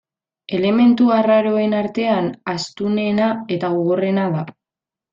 Elementu arraroen artean astunena eta gogorrena da.